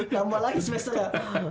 tambah lagi semesternya